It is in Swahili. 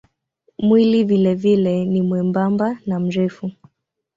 Mwili vilevile ni mwembamba na mrefu.